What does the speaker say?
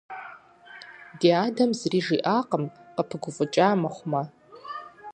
Ди адэм зыри жиӀакъым, къыпыгуфӀыкӀа мыхъумэ.